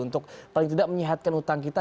untuk paling tidak menyehatkan utang kita